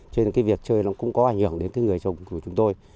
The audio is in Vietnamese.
cho nên cái việc chơi nó cũng có ảnh hưởng đến cái người chồng của chúng tôi